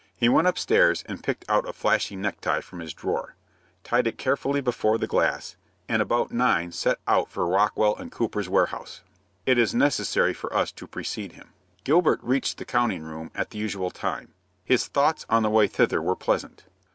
He went upstairs, and picked out a flashy necktie from his drawer, tied it carefully before the glass, and about nine set out for Rockwell & Cooper's warehouse. It is necessary for us to precede him. Gilbert reached the counting room at the usual time. His thoughts on the way thither were pleasant.